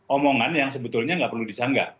omongan yang sebetulnya nggak perlu disanggah